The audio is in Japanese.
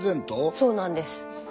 そうなんです。